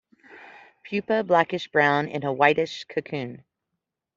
Pupa blackish brown in a whitish cocoon.